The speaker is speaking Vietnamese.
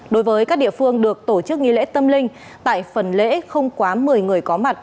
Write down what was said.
đối với các địa phương được tổ chức nghi lễ tâm linh tại phần lễ không quá một mươi người có mặt